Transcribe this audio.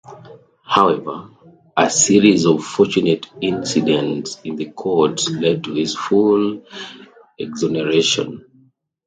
However, a series of fortunate incidents in the courts led to his full exoneration.